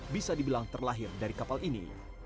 bisa dibilang terlahir dari kapal ini